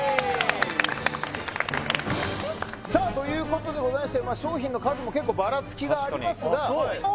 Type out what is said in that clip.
さあということでございまして商品の数も結構バラつきがありますがあっ